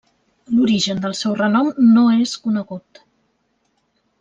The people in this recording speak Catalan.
L'origen del seu renom no és conegut.